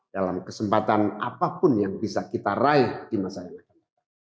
dalam kesempatan apapun yang bisa kita raih di masa depan